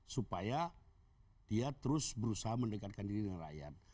supaya dia terus berusaha mendekatkan diri dengan rakyat